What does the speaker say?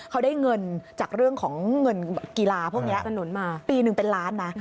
เขาได้เงินจากเรื่องของเงินกีฬาพวกนี้มาปีหนึ่งเป็นล้านนะ